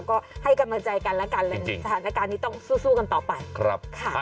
ก็ให้กรรมจัยกันแล้วกันสถานการณ์นี้ต้องสู้กันต่อไป